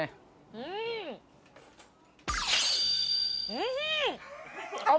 おいしい！